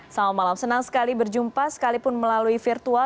selamat malam senang sekali berjumpa sekalipun melalui virtual